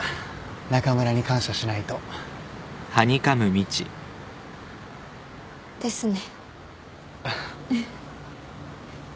中村に感謝しないと。ですね。